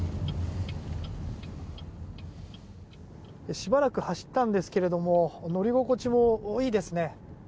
しばらく走ったんですけれど乗り心地もいいですね。